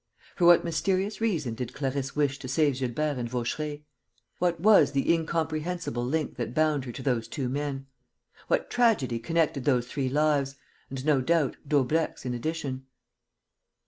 For what mysterious reason did Clarisse wish to save Gilbert and Vaucheray? What was the incomprehensible link that bound her to those two men? What tragedy connected those three lives and, no doubt, Daubrecq's in addition?